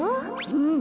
うん。